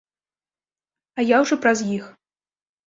А я ўжо праз іх.